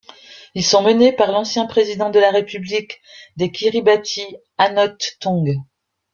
Ils sont menés par l'ancien président de la République des Kiribati, Anote Tong.